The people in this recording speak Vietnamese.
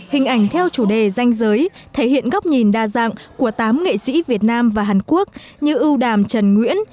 hình ảnh theo chủ đề danh giới thể hiện góc nhìn đa dạng của tám nghệ sĩ việt nam và hàn quốc như ưu đàm trần nguyễn